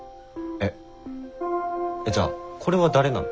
えっじゃあこれは誰なの？